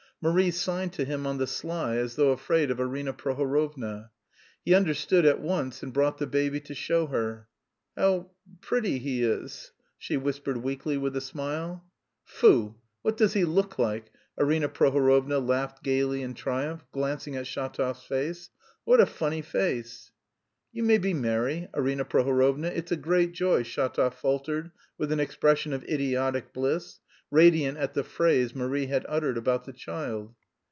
Marie signed to him on the sly as though afraid of Arina Prohorovna. He understood at once and brought the baby to show her. "How... pretty he is," she whispered weakly with a smile. "Foo, what does he look like," Arina Prohorovna laughed gaily in triumph, glancing at Shatov's face. "What a funny face!" "You may be merry, Arina Prohorovna.... It's a great joy," Shatov faltered with an expression of idiotic bliss, radiant at the phrase Marie had uttered about the child.